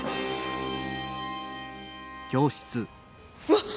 わっ。